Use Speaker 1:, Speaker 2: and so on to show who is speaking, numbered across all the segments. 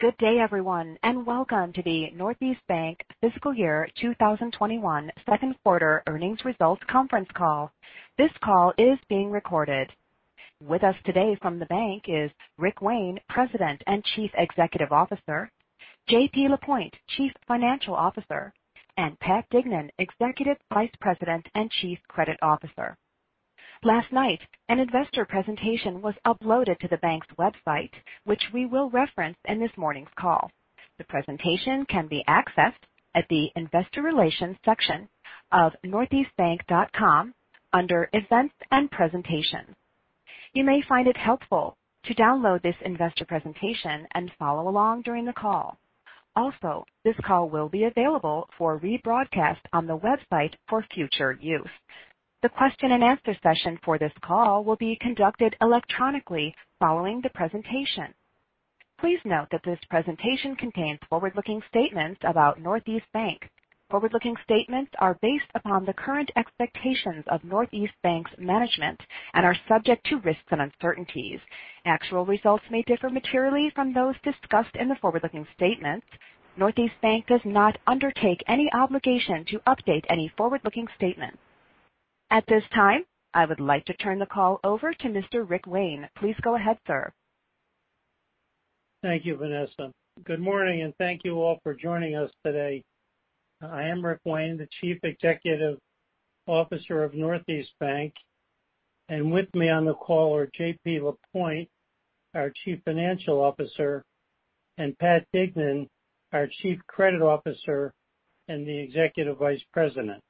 Speaker 1: Good day, everyone. Welcome to the Northeast Bank Fiscal Year 2021 Q2 earnings results conference call. This call is being recorded. With us today from the bank is Rick Wayne, President and Chief Executive Officer, JP Lapointe, Chief Financial Officer, and Pat Dignan, Executive Vice President and Chief Credit Officer. Last night, an investor presentation was uploaded to the bank's website, which we will reference in this morning's call. The presentation can be accessed at the investor relations section of northeastbank.com under events and presentations. You may find it helpful to download this investor presentation and follow along during the call. Also, this call will be available for rebroadcast on the website for future use. The question-and-answer session for this call will be conducted electronically following the presentation. Please note that this presentation contains forward-looking statements about Northeast Bank. Forward-looking statements are based upon the current expectations of Northeast Bank's management and are subject to risks and uncertainties. Actual results may differ materially from those discussed in the forward-looking statements. Northeast Bank does not undertake any obligation to update any forward-looking statements. At this time, I would like to turn the call over to Mr. Rick Wayne. Please go ahead, sir.
Speaker 2: Thank you, Vanessa. Good morning, thank you all for joining us today. I am Rick Wayne, the Chief Executive Officer of Northeast Bank. With me on the call are JP Lapointe, our Chief Financial Officer, and Pat Dignan, our Chief Credit Officer and the Executive Vice President.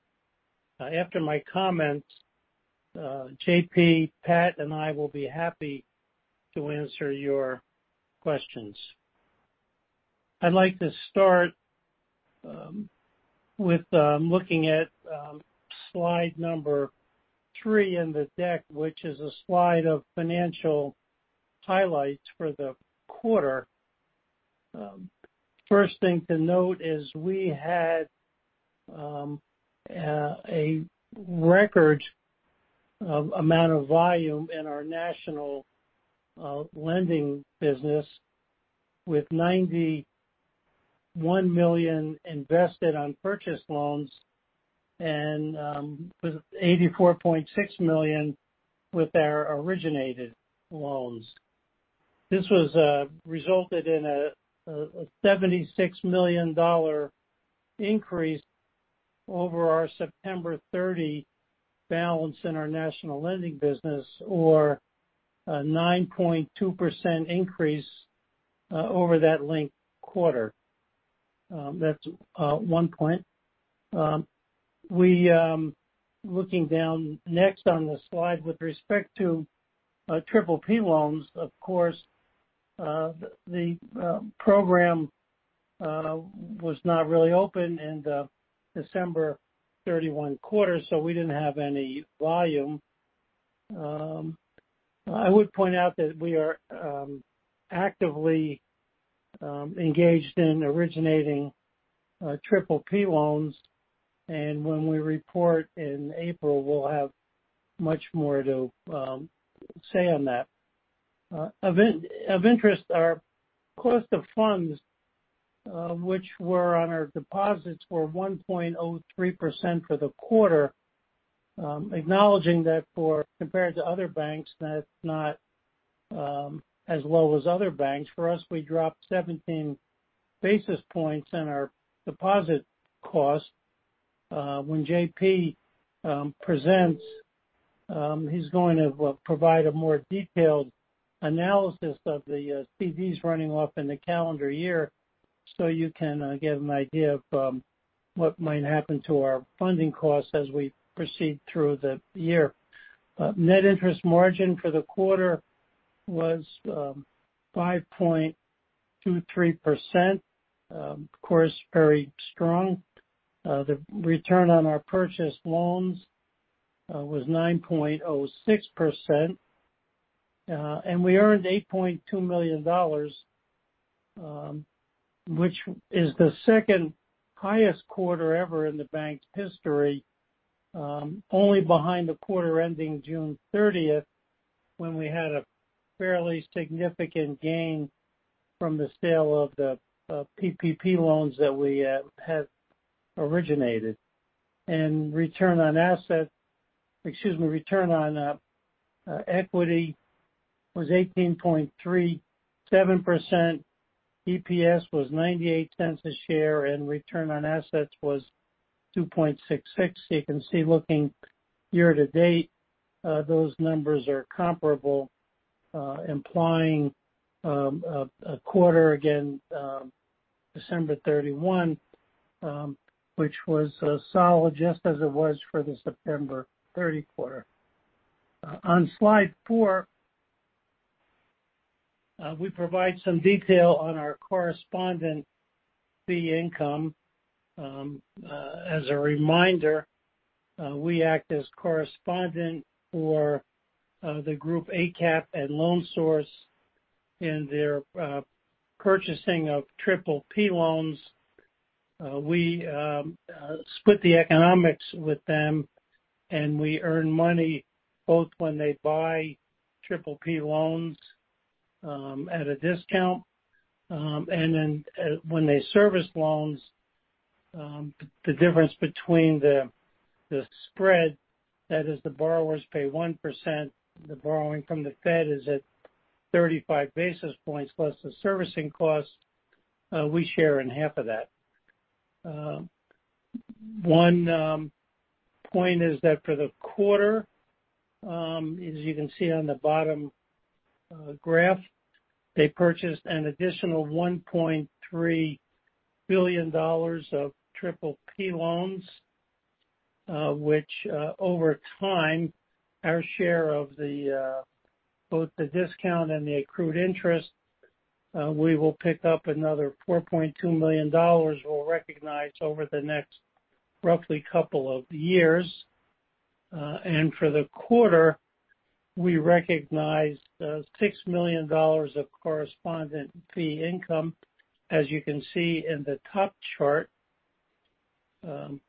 Speaker 2: After my comments, JP, Pat, and I will be happy to answer your questions. I'd like to start with looking at Slide 3 in the deck, which is a slide of financial highlights for the quarter. First thing to note is we had a record amount of volume in our national lending business with $91 million invested on purchased loans and with $84.6 million with our originated loans. This resulted in a $76 million increase over our September 30th balance in our national lending business or a 9.2% increase over that linked quarter. That's one point. Looking down next on the slide with respect to PPP loans, of course, the program was not really open in the December 31st quarter, so we didn't have any volume. I would point out that we are actively engaged in originating PPP loans, and when we report in April, we'll have much more to say on that. Of interest, our cost of funds which were on our deposits were 1.03% for the quarter, acknowledging that compared to other banks, that's not as low as other banks. For us, we dropped 17 basis points in our deposit cost. When JP presents, he's going to provide a more detailed analysis of the CDs running off in the calendar year so you can get an idea of what might happen to our funding costs as we proceed through the year. Net interest margin for the quarter was 5.23%. Of course, very strong. The return on our purchased loans was 9.06%. We earned $8.2 million, which is the second highest quarter ever in Northeast Bank's history, only behind the quarter ending June 30th, when we had a fairly significant gain from the sale of the PPP loans that we had originated. Excuse me. Return on equity was 18.37%. EPS was $0.98 a share, and return on assets was 2.66%. You can see looking year to date, those numbers are comparable, implying a quarter again, December 31, which was solid just as it was for the September 30th quarter. On Slide 4, we provide some detail on our correspondent fee income. As a reminder, we act as correspondent for the group ACAP and Loan Source in their purchasing of PPP loans. We split the economics with them, and we earn money both when they buy PPP loans at a discount, and then when they service loans, the difference between the spread, that is, the borrowers pay 1%, the borrowing from the Fed is at 35 basis points plus the servicing cost, we share in half of that. One point is that for the quarter, as you can see on the bottom graph, they purchased an additional $1.3 billion of PPP loans, which, over time, our share of both the discount and the accrued interest, we will pick up another $4.2 million we'll recognize over the next roughly couple of years. For the quarter, we recognized $6 million of correspondent fee income. As you can see in the top chart, $1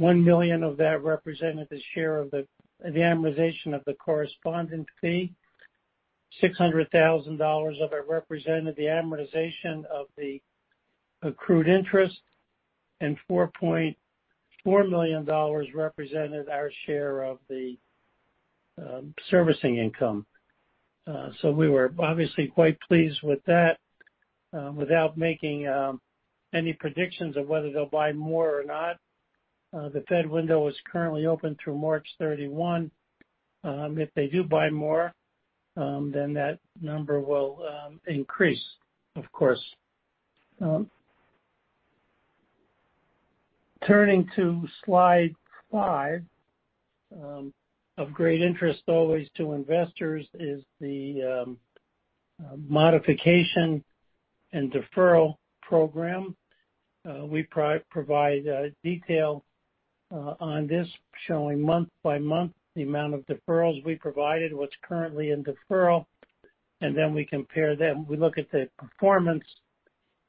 Speaker 2: million of that represented the share of the amortization of the correspondent fee, $600,000 of it represented the amortization of the accrued interest, and $4.4 million represented our share of the servicing income. We were obviously quite pleased with that. Without making any predictions of whether they'll buy more or not, the Fed window is currently open through March 31. If they do buy more, then that number will increase, of course. Turning to Slide 5. Of great interest always to investors is the modification and deferral program. We provide detail on this, showing month by month the amount of deferrals we provided, what's currently in deferral, and then we compare them. We look at the performance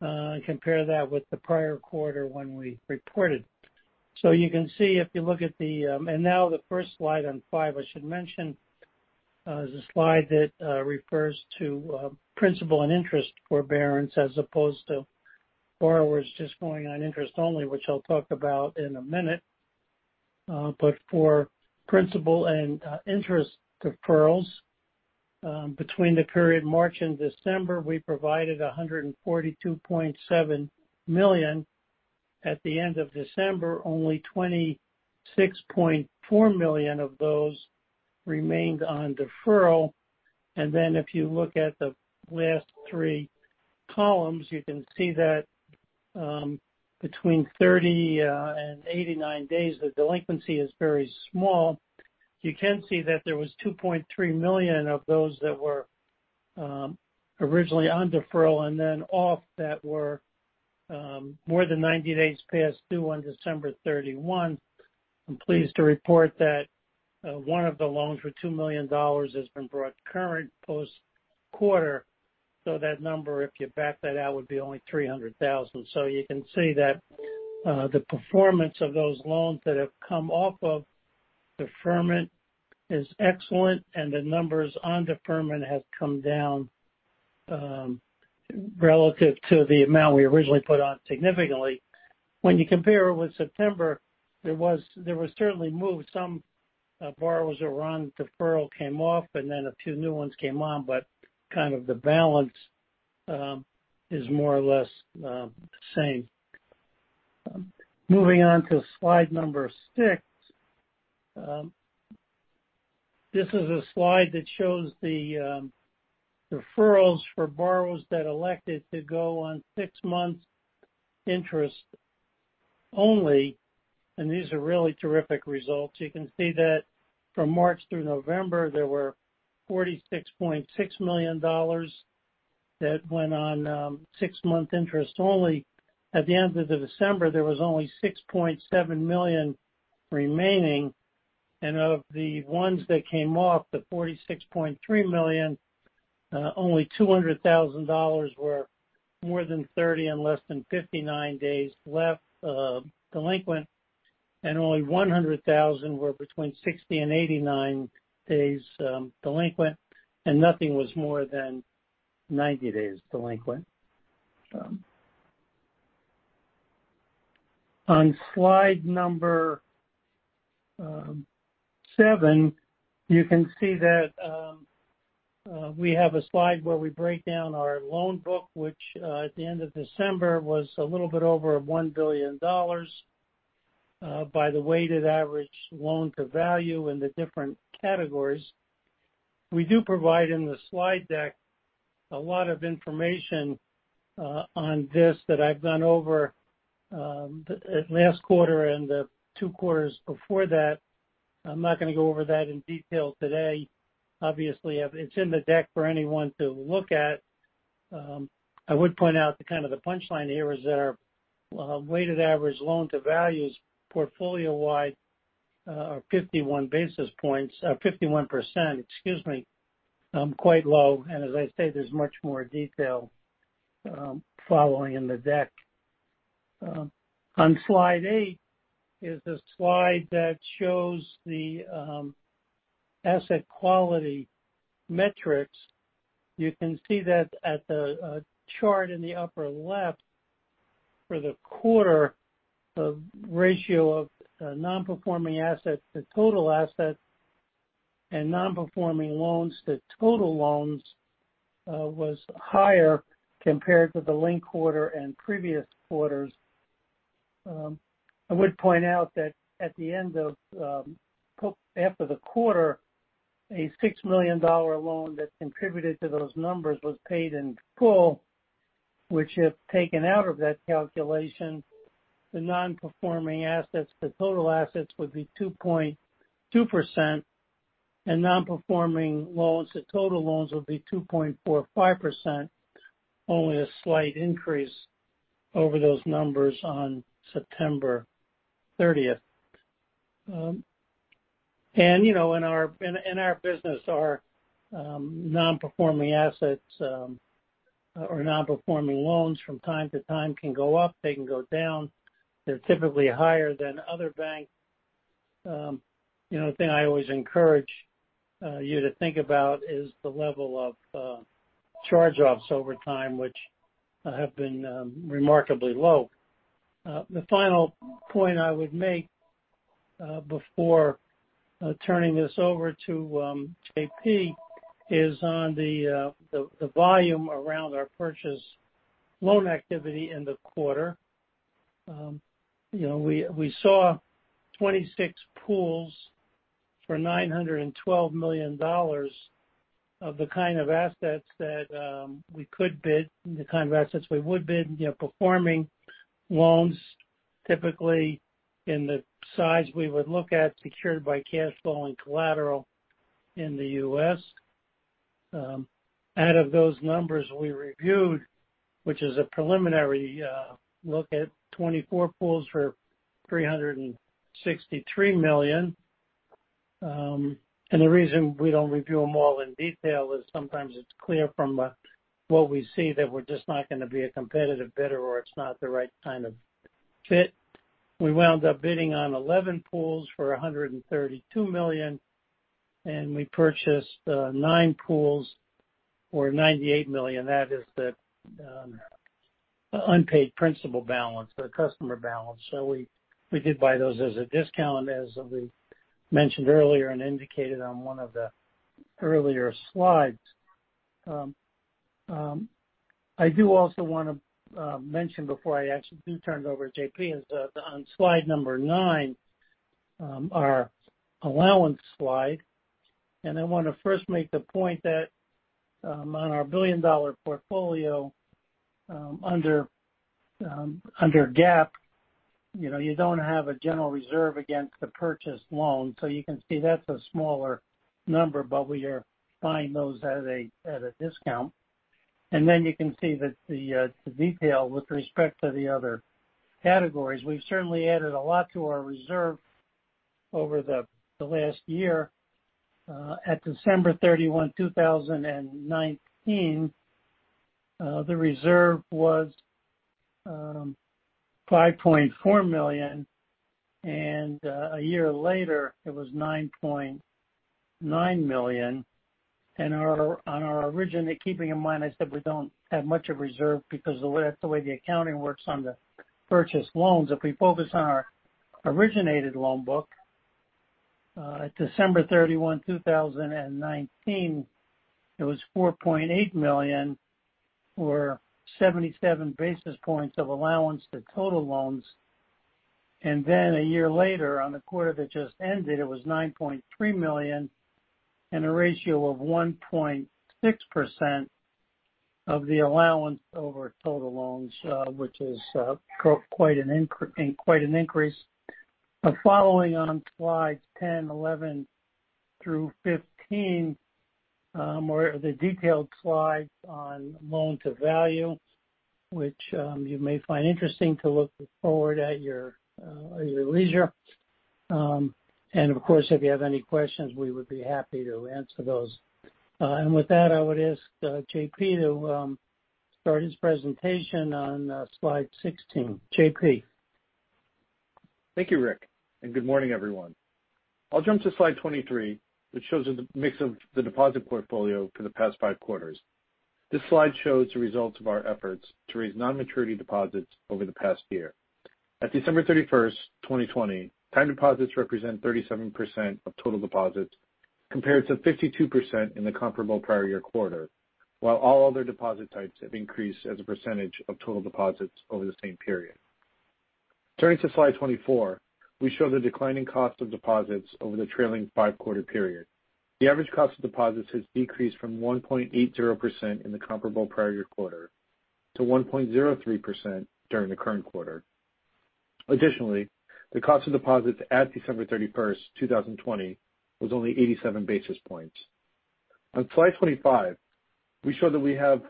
Speaker 2: and compare that with the prior quarter when we reported. Now the first slide on five, I should mention, is a slide that refers to principal and interest forbearance as opposed to borrowers just going on interest only, which I'll talk about in a minute. For principal and interest deferrals, between the period March and December, we provided $142.7 million. At the end of December, only $26.4 million of those remained on deferral. If you look at the last three columns, you can see that between 30 and 89 days, the delinquency is very small. You can see that there was $2.3 million of those that were originally on deferral and then off that were more than 90 days past due on December 31. I'm pleased to report that one of the loans for $2 million has been brought current post quarter, so that number, if you back that out, would be only $300,000. You can see that the performance of those loans that have come off of deferment is excellent, and the numbers on deferment have come down, relative to the amount we originally put on, significantly. When you compare it with September, there was certainly moves. Some borrowers that were on deferral came off, and then a few new ones came on, but kind of the balance is more or less the same. Moving on to Slide 6. This is a slide that shows the deferrals for borrowers that elected to go on six-month interest only, and these are really terrific results. You can see that from March through November, there were $46.6 million that went on six-month interest only. At the end of December, there was only $6.7 million remaining, and of the ones that came off the $46.3 million, only $200,000 were more than 30 and less than 59 days delinquent, and only $100,000 were between 60 and 89 days delinquent, and nothing was more than 90 days delinquent. On Slide 7, you can see that we have a slide where we break down our loan book, which at the end of December was a little bit over $1 billion by the weighted average Loan-to-Value in the different categories. We do provide in the slide deck a lot of information on this that I've gone over last quarter and the two quarters before that. I'm not going to go over that in detail today. Obviously, it's in the deck for anyone to look at. I would point out the kind of the punchline here is that our weighted average loan to values portfolio-wide are 51%, excuse me. Quite low. As I said, there's much more detail following in the deck. On Slide 8 is the slide that shows the asset quality metrics. You can see that at the chart in the upper left for the quarter, the ratio of non-performing assets to total assets and non-performing loans to total loans was higher compared to the linked quarter and previous quarters. I would point out that after the quarter, a $6 million loan that contributed to those numbers was paid in full, which, if taken out of that calculation, the non-performing assets to total assets would be 2.2%, and non-performing loans to total loans would be 2.45%, only a slight increase over those numbers on September 30th. In our business, our non-performing assets or non-performing loans from time to time can go up, they can go down. They're typically higher than other banks. The thing I always encourage you to think about is the level of charge-offs over time, which have been remarkably low. The final point I would make before turning this over to JP is on the volume around our purchase loan activity in the quarter. We saw 26 pools for $912 million of the kind of assets that we could bid, the kind of assets we would bid, performing loans, typically in the size we would look at, secured by cash flow and collateral in the U.S. Out of those numbers we reviewed, which is a preliminary look at 24 pools for $363 million. The reason we don't review them all in detail is sometimes it's clear from what we see that we're just not going to be a competitive bidder, or it's not the right kind of fit. We wound up bidding on 11 pools for $132 million, and we purchased nine pools for $98 million. That is the unpaid principal balance, the customer balance. We did buy those as a discount, as we mentioned earlier and indicated on one of the earlier slides. I do also want to mention before I actually do turn it over to JP is on Slide 9, our allowance slide. I want to first make the point that on our billion-dollar portfolio, under GAAP, you don't have a general reserve against the purchased loan. You can see that's a smaller number, but we are buying those at a discount. You can see that the detail with respect to the other categories. We've certainly added a lot to our reserve over the last year. At December 31st, 2019, the reserve was $5.4 million, and a year later it was $9.9 million. Keeping in mind, I said we don't have much of reserve because that's the way the accounting works on the purchased loans. If we focus on our originated loan book, at December 31st, 2019, it was $4.8 million, or 77 basis points of allowance to total loans. A year later, on the quarter that just ended, it was $9.3 million and a ratio of 1.6% of the allowance over total loans, which is quite an increase. Following on Slides 10, 11 through 15, where the detailed slides on Loan-to-Value, which you may find interesting to look forward at your leisure. Of course, if you have any questions, we would be happy to answer those. With that, I would ask JP to start his presentation on Slide 16. JP.
Speaker 3: Thank you, Rick, good morning, everyone. I'll jump to Slide 23, which shows the mix of the deposit portfolio for the past five quarters. This slide shows the results of our efforts to raise non-maturity deposits over the past year. At December 31st, 2020, time deposits represent 37% of total deposits, compared to 52% in the comparable prior year quarter, while all other deposit types have increased as a percentage of total deposits over the same period. Turning to Slide 24, we show the declining cost of deposits over the trailing five-quarter period. The average cost of deposits has decreased from 1.80% in the comparable prior year quarter to 1.03% during the current quarter. Additionally, the cost of deposits at December 31st, 2020, was only 87 basis points. On Slide 25. We show that we have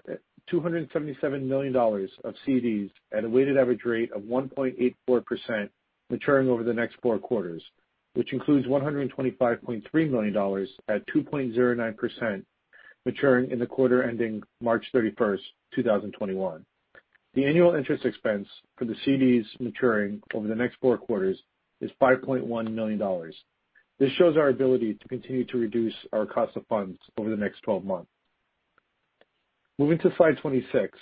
Speaker 3: $277 million of CDs at a weighted average rate of 1.84% maturing over the next four quarters, which includes $125.3 million at 2.09% maturing in the quarter ending March 31st, 2021. The annual interest expense for the CDs maturing over the next four quarters is $5.1 million. This shows our ability to continue to reduce our cost of funds over the next 12 months. Moving to Slide 26.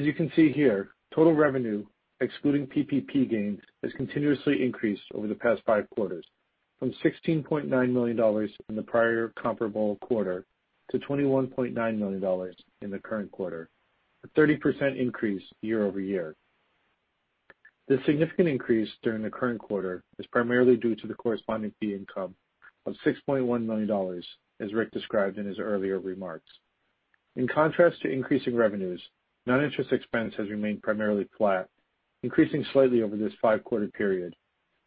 Speaker 3: You can see here, total revenue, excluding PPP gains, has continuously increased over the past five quarters, from $16.9 million in the prior comparable quarter to $21.9 million in the current quarter, a 30% increase year-over-year. The significant increase during the current quarter is primarily due to the corresponding fee income of $6.1 million, as Rick described in his earlier remarks. In contrast to increasing revenues, net interest expense has remained primarily flat, increasing slightly over this five-quarter period,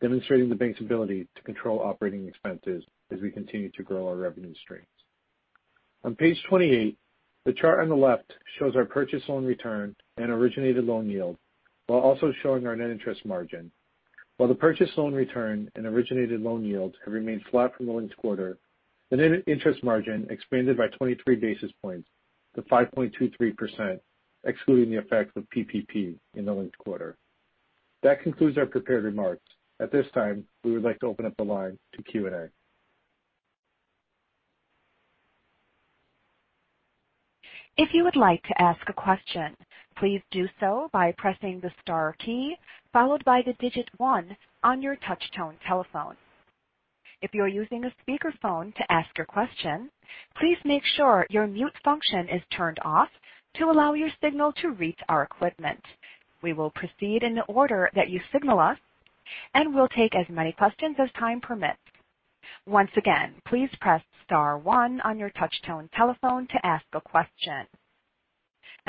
Speaker 3: demonstrating the bank's ability to control operating expenses as we continue to grow our revenue streams. On page 28, the chart on the left shows our purchased loan return and originated loan yield, while also showing our net interest margin. While the purchased loan return and originated loan yields have remained flat from the linked quarter, the net interest margin expanded by 23 basis points to 5.23%, excluding the effect of PPP in the linked quarter. That concludes our prepared remarks. At this time, we would like to open up the line to Q&A.
Speaker 1: If you would like to ask a question, please do so by pressing the star key followed by the digit one on your touchtone telephone. If you are using a speakerphone to ask your question, please make sure your mute function is turned off to allow your signal to reach our equipment. We will proceed in the order that you signal us, and we'll take as many questions as time permits. Once again, please press star one on your touchtone telephone to ask a question.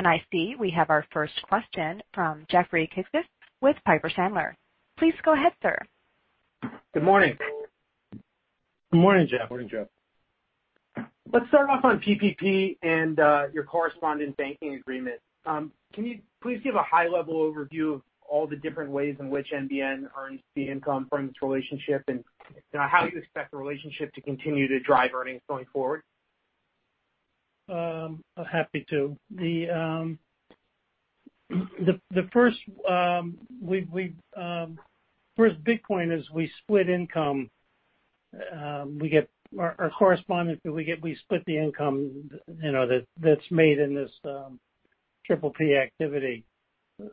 Speaker 1: I see we have our first question from Jeffrey Kitsis with Piper Sandler. Please go ahead, sir.
Speaker 4: Good morning.
Speaker 3: Good morning, Jeff.
Speaker 2: Morning, Jeff.
Speaker 4: Let's start off on PPP and your correspondent banking agreement. Can you please give a high-level overview of all the different ways in which NBN earns fee income from this relationship and how you expect the relationship to continue to drive earnings going forward?
Speaker 2: Happy to. The first big point is we split income. Our correspondent, we split the income that's made in this PPP activity.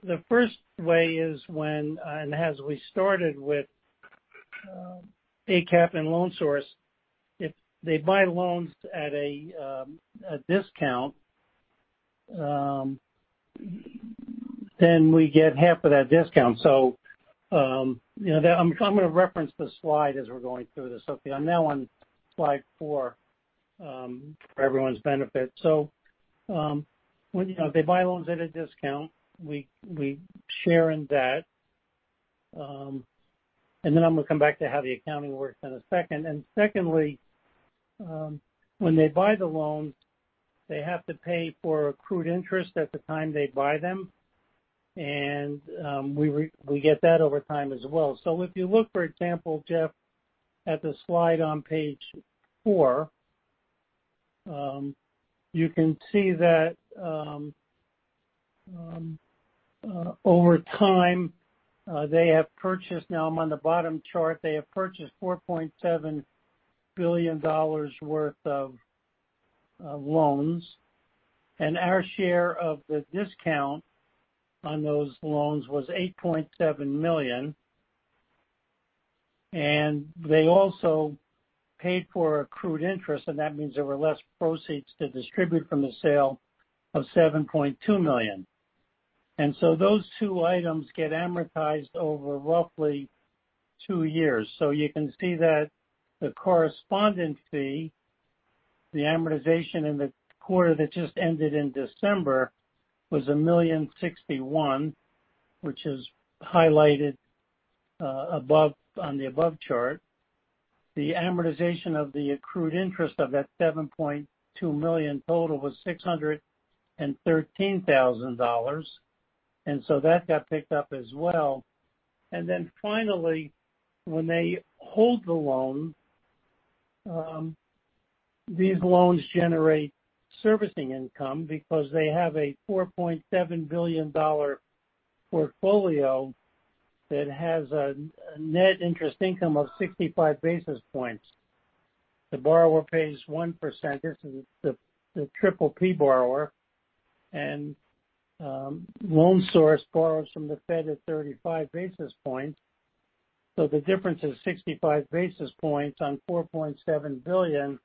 Speaker 2: The first way is when, and as we started with ACAP and Loan Source, if they buy loans at a discount, then we get half of that discount. I'm going to reference the slide as we're going through this. I'm now on Slide 4 for everyone's benefit. They buy loans at a discount. We share in that. I'm going to come back to how the accounting works in a second. Secondly, when they buy the loans, they have to pay for accrued interest at the time they buy them. We get that over time as well. If you look, for example, Jeff, at the slide on page four, you can see that over time, they have purchased, now I'm on the bottom chart, they have purchased $4.7 billion worth of loans, and our share of the discount on those loans was $8.7 million. They also paid for accrued interest, and that means there were less proceeds to distribute from the sale of $7.2 million. Those two items get amortized over roughly two years. You can see that the correspondent fee, the amortization in the quarter that just ended in December was a $1.061 million, which is highlighted on the above chart. The amortization of the accrued interest of that $7.2 million total was $613,000. That got picked up as well. Then finally, when they hold the loan, these loans generate servicing income because they have a $4.7 billion portfolio that has a net interest income of 65 basis points. The borrower pays 1%, this is the PPP borrower, and Loan Source borrows from the Fed at 35 basis points. The difference is 65 basis points on $4.7 billion,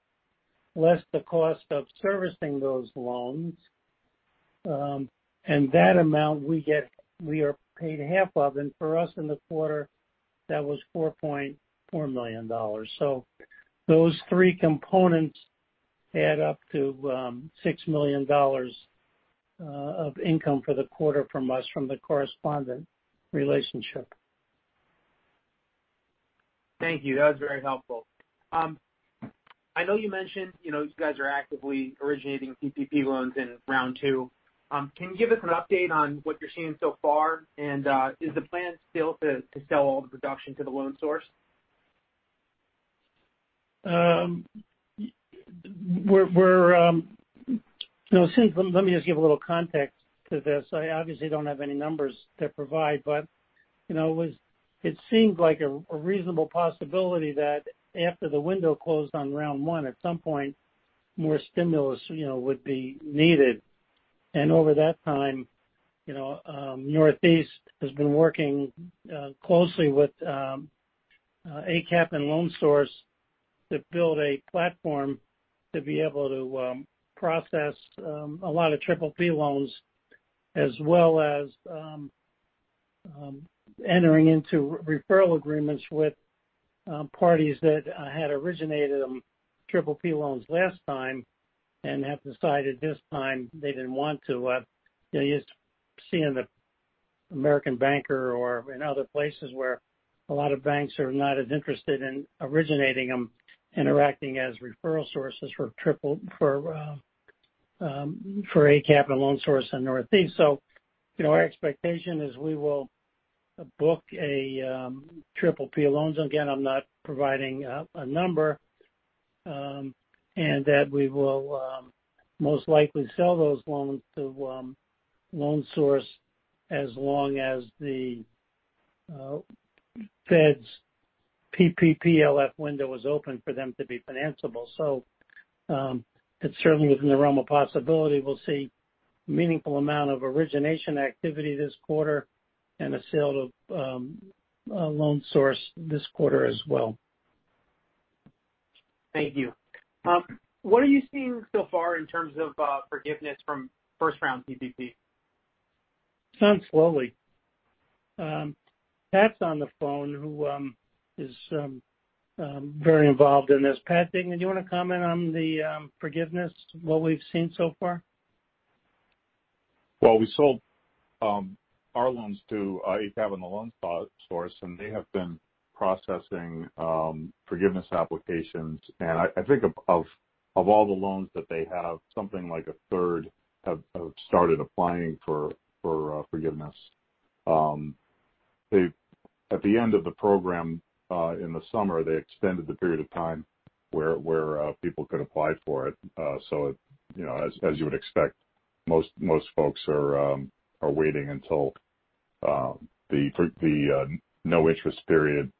Speaker 2: less the cost of servicing those loans. That amount we are paid half of, and for us in the quarter, that was $4.4 million. Those three components add up to $6 million of income for the quarter from us from the correspondent relationship.
Speaker 4: Thank you. That was very helpful. I know you mentioned you guys are actively originating PPP loans in round two. Can you give us an update on what you're seeing so far? Is the plan still to sell all the production to the Loan Source?
Speaker 2: Let me just give a little context to this. I obviously don't have any numbers to provide, but it seemed like a reasonable possibility that after the window closed on round one, at some point, more stimulus would be needed. Over that time, Northeast has been working closely with ACAP and LoanSource to build a platform to be able to process a lot of PPP loans, as well as entering into referral agreements with parties that had originated PPP loans last time and have decided this time they didn't want to. You're seeing the American Banker or in other places where a lot of banks are not as interested in originating them and are acting as referral sources for ACAP and LoanSource and Northeast. Our expectation is we will book PPP loans. Again, I'm not providing a number, and that we will most likely sell those loans to Loan Source as long as the Fed's PPPLF window is open for them to be financeable. It's certainly within the realm of possibility we'll see meaningful amount of origination activity this quarter and a sale to Loan Source this quarter as well.
Speaker 4: Thank you. What are you seeing so far in terms of forgiveness from first-round PPP?
Speaker 2: Slowly. Pat's on the phone, who is very involved in this. Pat Dignan, do you want to comment on the forgiveness, what we've seen so far?
Speaker 5: Well, we sold our loans to ACAP and the Loan Source, and they have been processing forgiveness applications. I think of all the loans that they have, something like a third have started applying for forgiveness. At the end of the program in the summer, they extended the period of time where people could apply for it. As you would expect, most folks are waiting until the no-interest period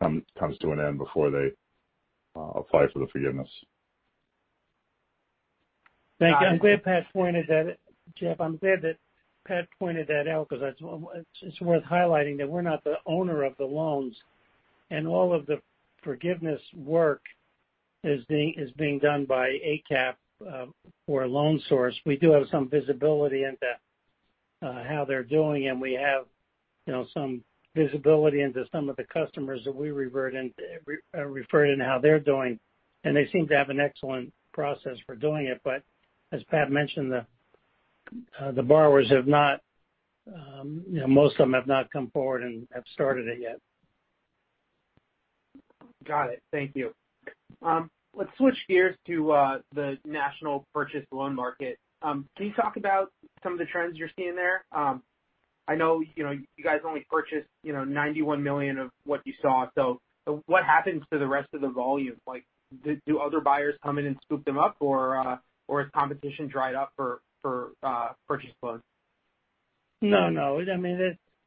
Speaker 5: comes to an end before they apply for the forgiveness.
Speaker 4: Thank you.
Speaker 2: Jeff, I'm glad that Pat pointed that out because it's worth highlighting that we're not the owner of the loans, all of the forgiveness work is being done by ACAP or Loan Source. We do have some visibility into how they're doing, and we have some visibility into some of the customers that we referred and how they're doing. They seem to have an excellent process for doing it. As Pat mentioned, most of the borrowers have not come forward and have started it yet.
Speaker 4: Got it. Thank you. Let's switch gears to the national purchase loan market. Can you talk about some of the trends you're seeing there? I know you guys only purchased $91 million of what you saw. What happens to the rest of the volume? Do other buyers come in and scoop them up, or has competition dried up for purchase loans?
Speaker 2: No.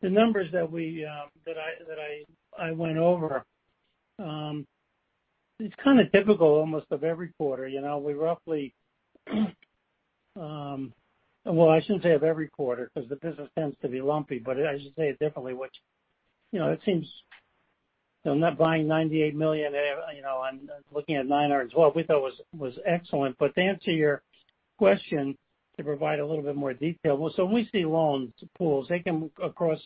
Speaker 2: The numbers that I went over, it's kind of typical almost of every quarter. Well, I shouldn't say of every quarter because the business tends to be lumpy, but I should say it differently. It seems I'm not buying $98 million. I'm looking at 912 we thought was excellent. To answer your question, to provide a little bit more detail. When we see loan pools, they come across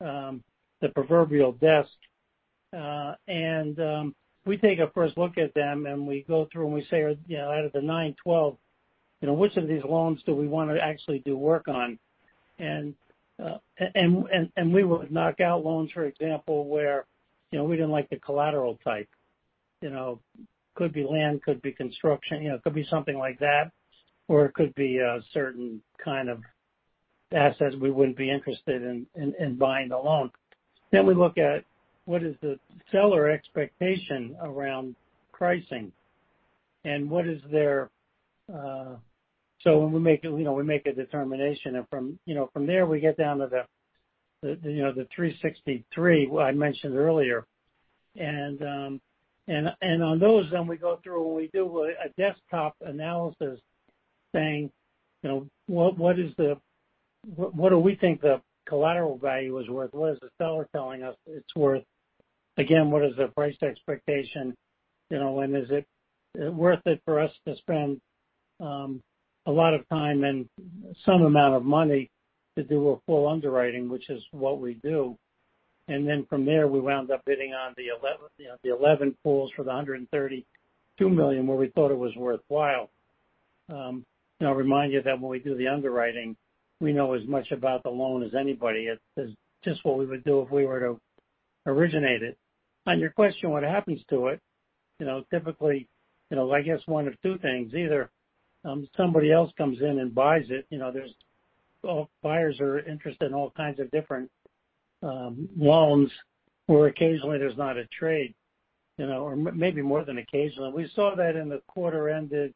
Speaker 2: the proverbial desk. We take a first look at them, and we go through, and we say, out of the 912, which of these loans do we want to actually do work on? We would knock out loans, for example, where we didn't like the collateral type. Could be land, could be construction, could be something like that, or it could be a certain kind of asset we wouldn't be interested in buying the loan. We look at what is the seller expectation around pricing. When we make a determination, from there, we get down to the 363 I mentioned earlier. On those then we go through, and we do a desktop analysis saying, what do we think the collateral value is worth? What is the seller telling us it's worth? Again, what is the price expectation? Is it worth it for us to spend a lot of time and some amount of money to do a full underwriting, which is what we do. From there, we wound up bidding on the 11 pools for the $132 million, where we thought it was worthwhile. I'll remind you that when we do the underwriting, we know as much about the loan as anybody. It's just what we would do if we were to originate it. On your question, what happens to it, typically, I guess one of two things. Either somebody else comes in and buys it. Buyers are interested in all kinds of different loans, or occasionally there's not a trade, or maybe more than occasionally. We saw that in the quarter ended,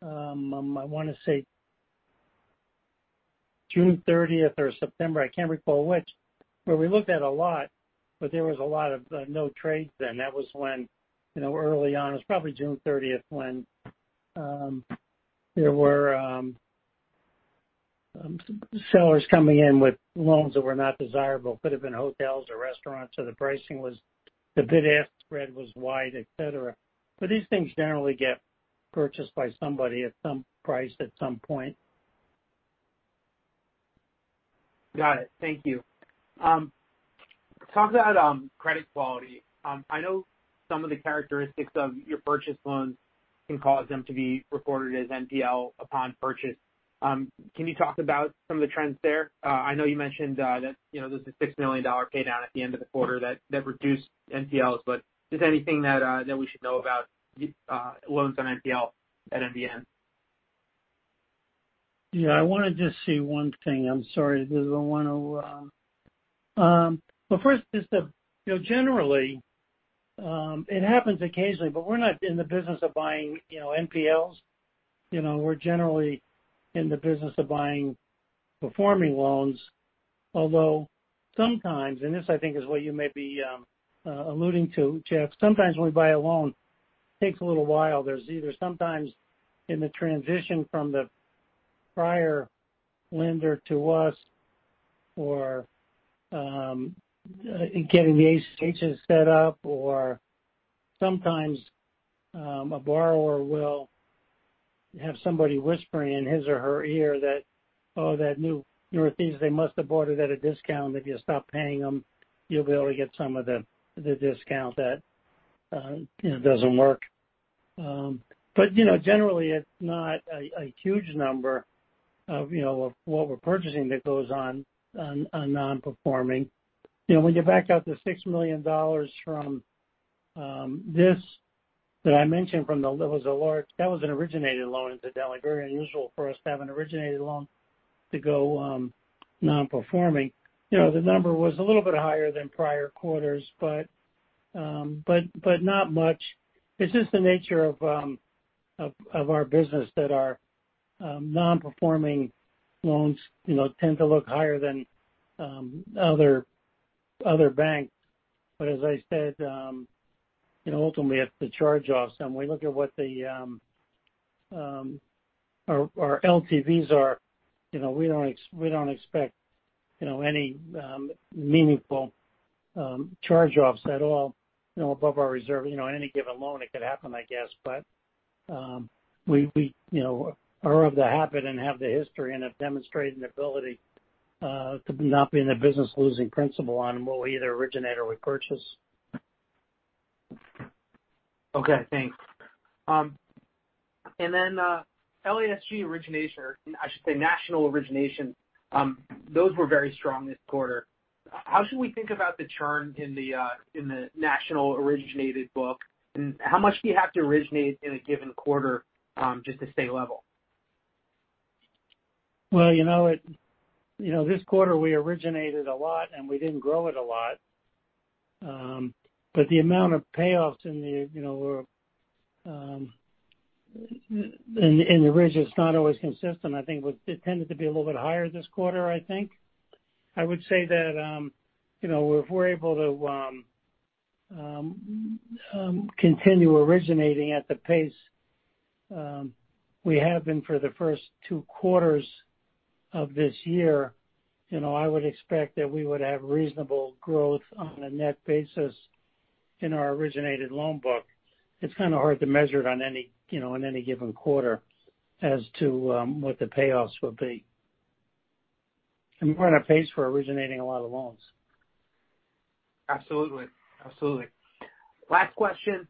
Speaker 2: I want to say June 30th or September, I can't recall which, where we looked at a lot, but there was a lot of no trades then. That was when early on, it was probably June 30th, when there were sellers coming in with loans that were not desirable. Could've been hotels or restaurants, so the bid-ask spread was wide, et cetera. These things generally get purchased by somebody at some price, at some point.
Speaker 4: Got it. Thank you. Talk about credit quality. I know some of the characteristics of your purchase loans can cause them to be recorded as NPL upon purchase. Can you talk about some of the trends there? I know you mentioned that there's a $6 million pay down at the end of the quarter that reduced NPLs. Is there anything that we should know about loans on NPL at NBN?
Speaker 2: Yes. I want to just say one thing. I'm sorry. First, generally, it happens occasionally, but we're not in the business of buying NPLs. We're generally in the business of buying performing loans. Although sometimes, and this, I think, is what you may be alluding to, Jeff, sometimes when we buy a loan, takes a little while. There's either sometimes in the transition from the prior lender to us, or getting the ACHs set up, or sometimes, a borrower will have somebody whispering in his or her ear that, "Oh, that new Northeast, they must have bought it at a discount. If you stop paying them, you'll be able to get some of the discount." That doesn't work. Generally, it's not a huge number of what we're purchasing that goes on non-performing. When you back out the $6 million from this that I mentioned, that was an originated loan into deli, very unusual for us to have an originated loan to go non-performing. The number was a little bit higher than prior quarters, but not much. It's just the nature of our business that our non-performing loans tend to look higher than other banks. As I said, ultimately, it's the charge-offs, and we look at what our LTVs are. We don't expect any meaningful charge-offs at all above our reserve. Any given loan, it could happen, I guess. We are of the habit, and have the history, and have demonstrated an ability to not be in the business losing principal on what we either originate or we purchase.
Speaker 4: Okay. Thanks. LASG origination, or I should say national origination, those were very strong this quarter. How should we think about the churn in the national originated book? How much do you have to originate in a given quarter just to stay level?
Speaker 2: Well, this quarter, we originated a lot, and we didn't grow it a lot. The amount of payoffs in the ridge is not always consistent. I think it tended to be a little bit higher this quarter, I think. I would say that if we're able to continue originating at the pace we have been for the first two quarters of this year, I would expect that we would have reasonable growth on a net basis in our originated loan book. It's kind of hard to measure it in any given quarter as to what the payoffs will be. We're on a pace for originating a lot of loans.
Speaker 4: Absolutely. Last question.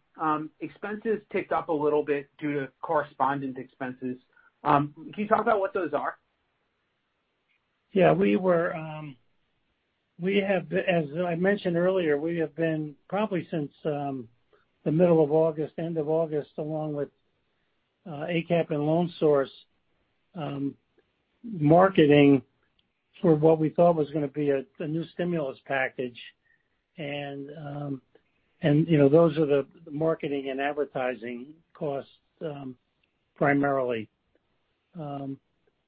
Speaker 4: Expenses ticked up a little bit due to correspondent expenses. Can you talk about what those are?
Speaker 2: Yes. As I mentioned earlier, we have been, probably since the middle of August, end of August, along with ACAP and Loan Source, marketing for what we thought was going to be a new stimulus package. Those are the marketing and advertising costs primarily.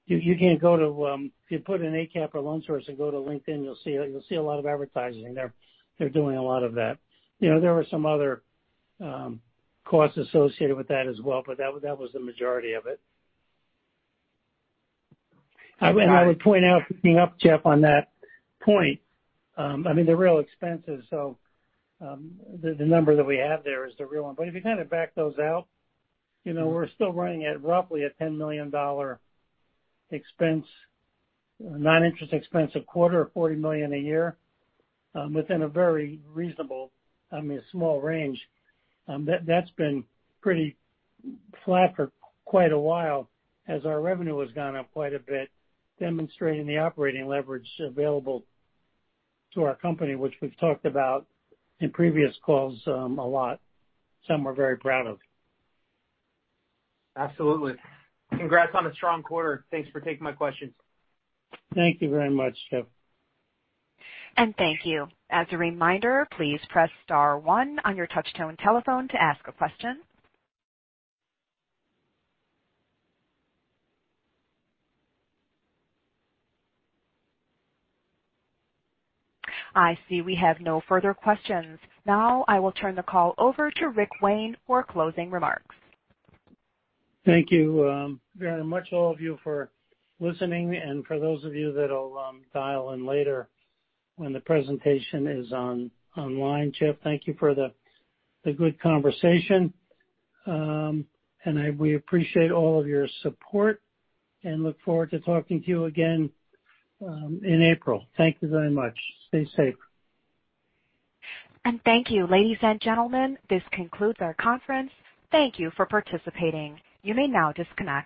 Speaker 2: If you put in ACAP or Loan Source and go to LinkedIn, you'll see a lot of advertising there. They're doing a lot of that. There were some other costs associated with that as well, but that was the majority of it. I would point out, picking up, Jeff, on that point, they're real expenses, so the number that we have there is the real one. If you kind of back those out, we're still running at roughly a $10 million non-interest expense a quarter, or $40 million a year, within a very reasonable, small range. That's been pretty flat for quite a while as our revenue has gone up quite a bit, demonstrating the operating leverage available to our company, which we've talked about in previous calls a lot. Some we're very proud of.
Speaker 4: Absolutely. Congrats on a strong quarter. Thanks for taking my questions.
Speaker 2: Thank you very much, Jeff.
Speaker 1: Thank you. As a reminder, please press star one on your touch-tone telephone to ask a question. I see we have no further questions. I will turn the call over to Rick Wayne for closing remarks.
Speaker 2: Thank you very much, all of you for listening, and for those of you that'll dial in later when the presentation is online. Jeff, thank you for the good conversation. We appreciate all of your support and look forward to talking to you again in April. Thank you very much. Stay safe.
Speaker 1: Thank you, ladies and gentlemen. This concludes our conference. Thank you for participating. You may now disconnect.